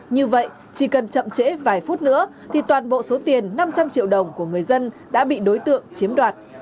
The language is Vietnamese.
như vậy chỉ cần chậm trễ vài phút nữa thì toàn bộ số tiền năm trăm linh triệu đồng của người dân đã bị đối tượng chiếm đoạt